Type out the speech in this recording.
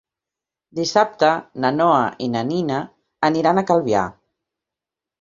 Dissabte na Noa i na Nina aniran a Calvià.